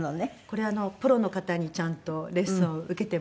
これプロの方にちゃんとレッスンを受けてます。